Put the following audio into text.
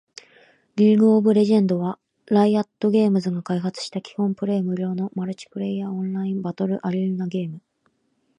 リーグ・オブ・レジェンド』（League of Legends、略称: LoL（ ロル））は、ライアットゲームズが開発した基本プレイ無料のマルチプレイヤーオンラインバトルアリーナゲーム